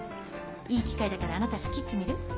いい機会だからあなた仕切ってみる？